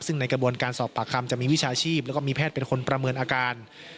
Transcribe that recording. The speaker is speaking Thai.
ซึ่งในกระบวนการสอบปากคำจะมีวิชาชีพแล้วก็มีแพทย์เป็นคนประเมินอาการ